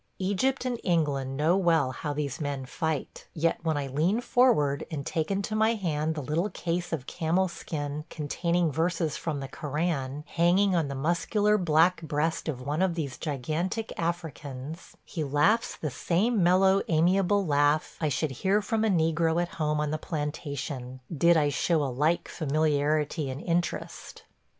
Egypt and England know well how these men fight; yet when I lean forward and take into my hand the little case of camel skin containing verses from the Koran, hanging on the muscular black breast of one of these gigantic Africans, he laughs the same mellow, amiable laugh I should hear from a negro at home on the plantation, did I show a like familiarity and interest.